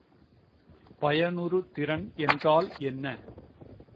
பயனுறுதிறன் என்றால் என்ன?